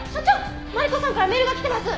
マリコさんからメールが来てます！